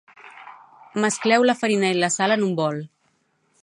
Mescleu la farina i la sal en un bol.